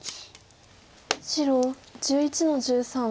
白１１の十三。